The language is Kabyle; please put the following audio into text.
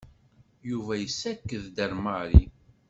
Yuba yessaked-d ar Mary.